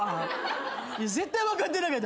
絶対分かってなかった。